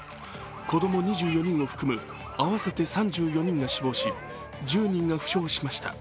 子供２４人を含む合わせて３４人が死亡し１０人が負傷しました。